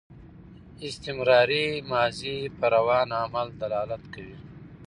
استمراري ماضي پر روان عمل دلالت کوي.